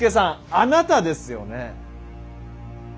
あなたですよね。